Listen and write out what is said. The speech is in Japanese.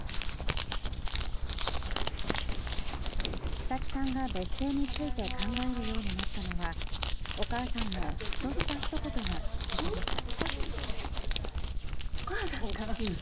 知咲さんが別姓について考えるようになったのはお母さんの、ふとしたひと言がきっかけでした。